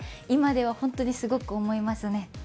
今では本当にすごく思いますね。